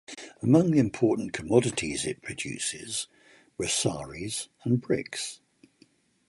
Among the important commodities it produces were saris and bricks.